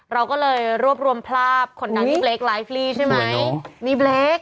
เราก็เลยรวบรวมภาพคนดังนี่เล็กไลฟ์ลี่ใช่ไหมนี่เบลค